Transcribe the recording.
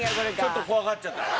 ちょっと怖がっちゃった。